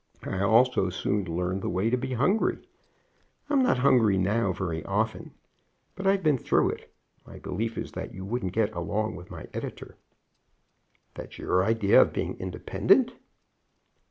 I also soon learned the way to be hungry. I'm not hungry now very often, but I've been through it. My belief is that you wouldn't get along with my editor." "That's your idea of being independent."